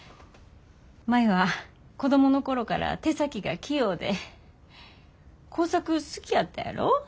舞は子供の頃から手先が器用で工作好きやったやろ。